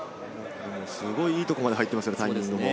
すごい、いいところまで入っていますよ。